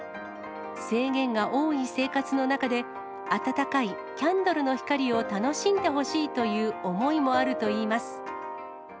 制限が多い生活の中で、温かいキャンドルの光を楽しんでほしいという思いもあるといいます。